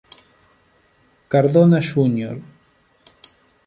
Cardona Jr.